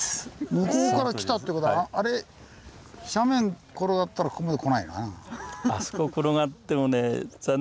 向こうから来たって事は斜面転がったらここまで来ないかなあ。